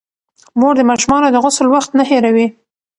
مور د ماشومانو د غسل وخت نه هېروي.